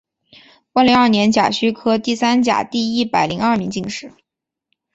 万历二年甲戌科第三甲第一百零二名进士。